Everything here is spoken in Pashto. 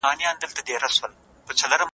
کمپيوټر فايل پرې کوي.